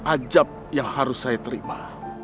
ajab yang harus saya terima